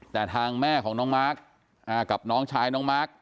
แต่ทางแม่ของน้องมาร์คกับน้องชายน้องมาร์ค